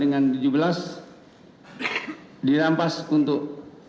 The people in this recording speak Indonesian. menjatuhkan pidana tambahan terhadap terdakwa selama lima tahun selama lima tahun